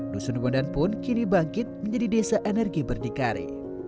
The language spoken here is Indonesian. dusun bondan pun kini bangkit menjadi desa energi berdikari